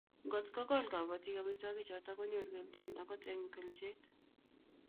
ngotkokol kobotik amitwogichoto konyoru kelchin agot eng ilchet